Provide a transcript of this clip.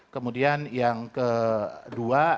kemudian yang kedua